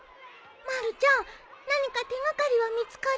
まるちゃん何か手掛かりは見つかりそう？